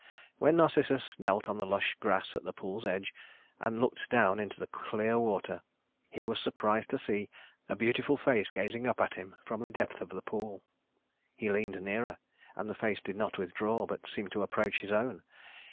When Narcissus knelt on the lush grass at the pool's edge and looked down into the clear water, he was surprised to see a beautiful face gazing up at him from the depth of the pool. He leaned nearer, and the face did not withdraw, but seemed to approach his own.